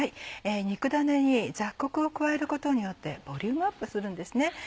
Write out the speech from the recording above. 肉ダネに雑穀を加えることによってボリュームアップするんですね。